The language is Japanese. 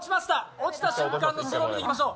落ちた瞬間のスローを見ていきましょう。